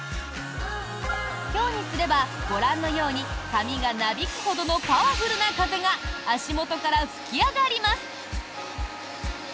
強にすればご覧のように髪がなびくほどのパワフルな風が足元から吹き上がります。